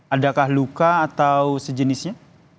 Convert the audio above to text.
adakah luka atau sejenisnya